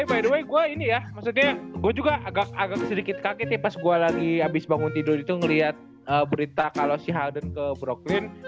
by the way gue ini ya maksudnya gue juga agak sedikit kaget ya pas gue lagi abis bangun tidur itu ngeliat berita kalau si halden ke bro clean